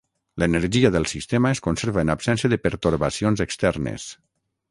L'energia del sistema es conserva en absència de pertorbacions externes.